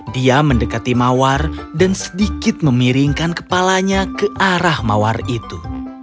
dia mendekati mawar dan sedikit memiringkan kepalanya ke arah mawar itu